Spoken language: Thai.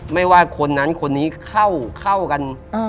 ไม่ว่าคนนั้นคนนี้เข้ากัน